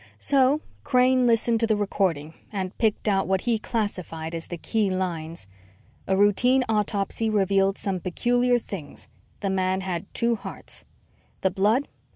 So Crane listened to the recording and picked out what he classified as the key lines. A routine autopsy revealed some peculiar things ... The man had two hearts.... _The blood?